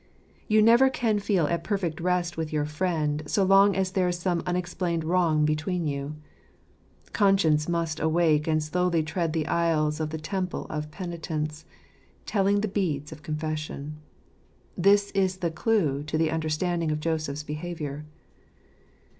You never can feel at perfect rest with your friend, so long as there is some unexplained wrong between you. Conscience must awake and slowly tread the aisles of the temple of peni tence, telling the beads of confession. This is the clue to the understanding of Joseph's behaviour.